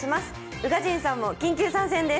宇賀神さんも緊急参戦です！